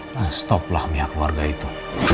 nah stoplah pihak keluarga itu